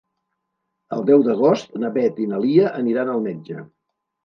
El deu d'agost na Beth i na Lia aniran al metge.